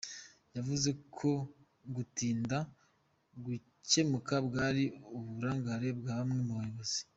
Yavuze ko gutinda gukemuka bwari uburangare bwa bamwe mu bayobozi.